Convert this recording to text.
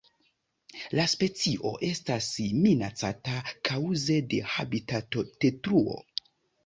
La specio estas minacata kaŭze de habitatodetruo.